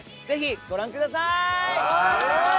ぜひご覧ください！